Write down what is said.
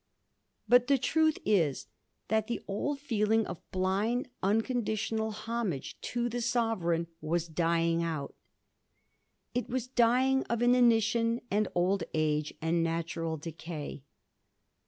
But the truth is that the old feeling of blind unconditional homage to the sovereign was dying out ; it was dying of inanition and old age and natural decay.